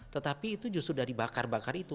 tetapi itu justru dari bakar bakar itu